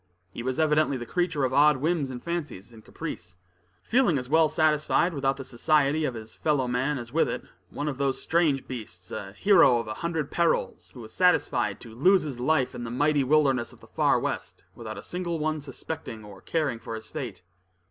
He was evidently the creature of odd whims and fancies and caprice, feeling as well satisfied without the society of his fellow man as with it one of those strange beings, a hero of a hundred perils, who was satisfied to lose his life in the mighty wilderness of the Far West, without a single one suspecting or caring for his fate.